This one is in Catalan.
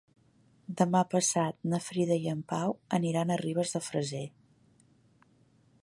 Demà passat na Frida i en Pau aniran a Ribes de Freser.